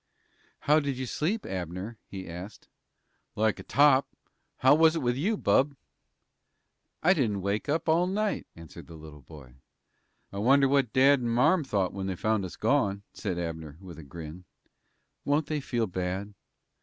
"How did you sleep, Abner?" he asked. "Like a top. How was it with you, bub?" "I didn't wake up all night," answered the little boy. "I wonder what dad and marm thought when they found us gone?" said Abner, with a grin. "Won't they feel bad?"